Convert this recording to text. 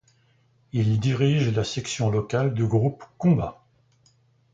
Il dirige la section locale du groupe Combat.